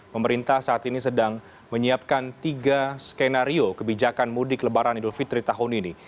pemerintah saat ini sedang menyiapkan tiga skenario kebijakan mudik lebaran idul fitri tahun ini